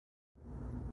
لتعط الولاية من فضلها